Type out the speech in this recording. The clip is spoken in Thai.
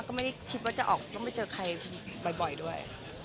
ก็ไม่กินที่จะออกเราไม่เจอใครบ่อยด้วย